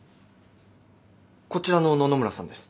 こちらの野々村さんです。